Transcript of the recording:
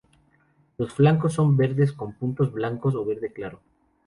Los flancos son verdes con puntos blancos o verde claro.